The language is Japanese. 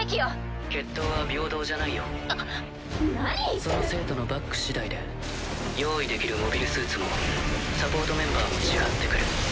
その生徒のバックしだいで用意出来るモビルスーツもサポートメンバーも違ってくる。